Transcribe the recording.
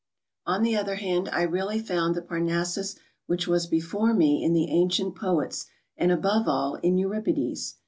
On the other hand, I really found the Parnassus which was before me in the ancient poets, and above all, in Euripides.